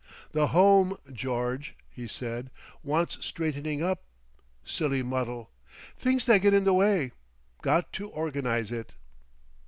"The Home, George," he said, "wants straightening up. Silly muddle! Things that get in the way. Got to organise it."